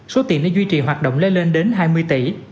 số tiền để duy trì hoạt động lên đến hai mươi tỷ